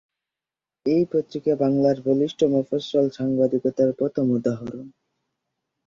এই পত্রিকা বাংলার বলিষ্ঠ মফস্বল সাংবাদিকতার প্রথম উদাহরণ।